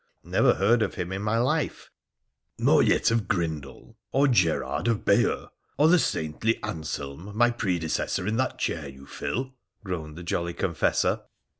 ' Never heard of him in my life.' ' Nor yet of Grindal ? or Gerard of Bayeux ? or the saintly Anselm, my predecessor in that chair you fill ?' groaned the jolly confessor.